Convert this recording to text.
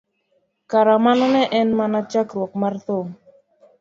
kara mano ne en mana chakruok mar thum